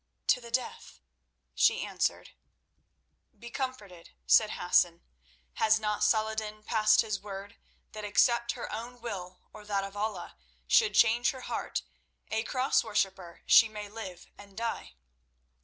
"To the death," she answered. "Be comforted," said Hassan. "Has not Salah ed din passed his word that except her own will or that of Allah should change her heart, a Cross worshipper she may live and die?